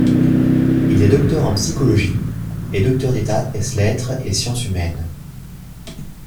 Il est docteur en psychologie et docteur d’état ès lettres et sciences humaines.